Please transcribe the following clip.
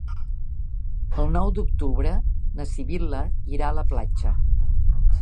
El nou d'octubre na Sibil·la irà a la platja.